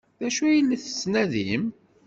D acu ay la tettnadim?